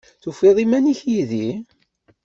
Tufiḍ iman-ik yid-i?